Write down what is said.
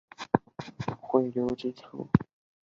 雷丁位于泰晤士河与其支流肯尼迪河的汇流之处。